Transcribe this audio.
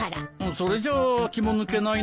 それじゃあ気も抜けないなあ。